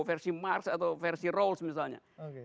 versi marx atau versi rawls misalnya